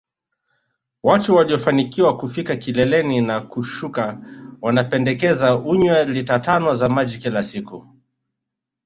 Watu waliofanikiwa kufika kileleni na kushuka wanapendekeza unywe lita tano za maji kwa siku